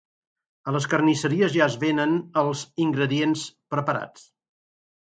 A les carnisseries ja es venen els ingredients preparats